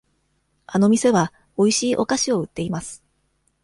あの店はおいしいお菓子を売っています。